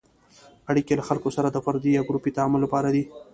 اړیکې له خلکو سره د فردي یا ګروپي تعامل لپاره دي.